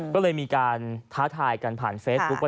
ก็เลยมีการท้าทายกันผ่านเฟซบุ๊ค